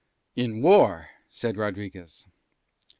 "In war," said Rodriguez.